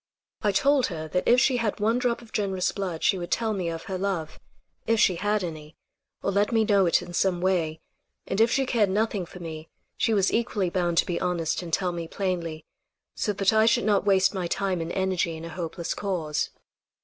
I told her that if she had one drop of generous blood she would tell me of her love, if she had any, or let me know it in some way; and if she cared nothing for me she was equally bound to be honest and tell me plainly, so that I should not waste my time and energy in a hopeless cause.